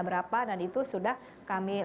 berapa dan itu sudah kami